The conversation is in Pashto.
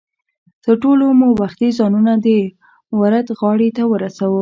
تر ټولو مو وختي ځانونه د ورد غاړې ته ورسو.